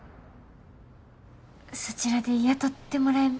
そちらで雇ってもらえ。